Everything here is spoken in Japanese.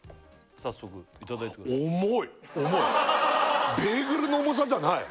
早速いただいてください重い？